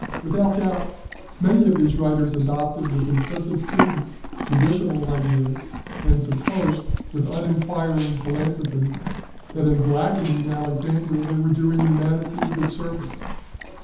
Without doubt, many of these writers adopted with implicit credence traditional ideas and supposed, with uninquiring philanthropy, that in blackening Alexander they were doing humanity good service.